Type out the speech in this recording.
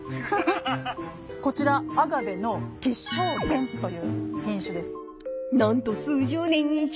こちらアガベの吉祥天という品種です。